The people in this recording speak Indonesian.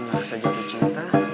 ngerasa jadi cinta